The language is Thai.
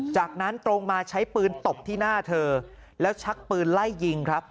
จากนั้นตรงมาใช้ปืนตบที่หน้าเธอแล้วชักปืนไล่ยิงครับ